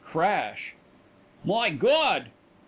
Crash! "My Gawd!"